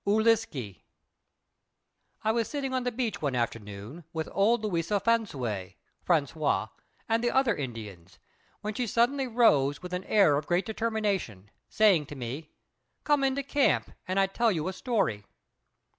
ŪLISKE I was sitting on the beach one afternoon with old Louisa Flansouay (François) and the other Indians, when she suddenly rose with an air of great determination, saying to me, "Come into camp and I tell you a story!"